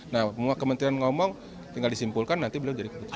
nah kementerian ngomong tinggal disimpulkan nanti belum jadi keputusan